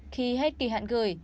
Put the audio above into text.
khi hết kỳ hạn gửi